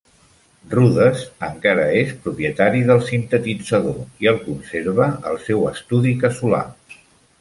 Rudess encara és propietari del sintetitzador i el conserva al seu estudi casolà.